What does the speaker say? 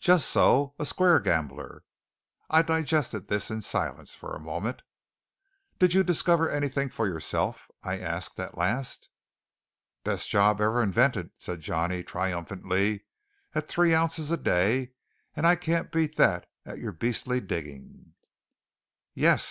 "Just so a square gambler." I digested this in silence for a moment. "Did you discover anything for yourself?" I asked at last. "Best job ever invented," said Johnny triumphantly, "at three ounces a day; and I can't beat that at your beastly digging." "Yes?"